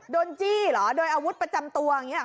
จี้เหรอโดยอาวุธประจำตัวอย่างนี้ห